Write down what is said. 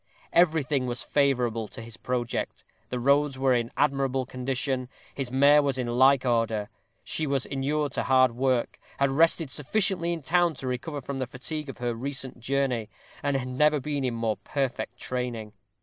Everything was favorable to his project; the roads were in admirable condition, his mare was in like order; she was inured to hard work, had rested sufficiently in town to recover from the fatigue of her recent journey, and had never been in more perfect training.